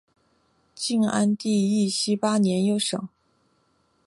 晋安帝义熙八年又省。